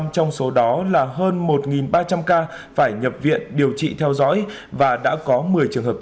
một mươi trong số đó là hơn một ba trăm linh ca phải nhập viện điều trị theo dõi và đã có một mươi trường hợp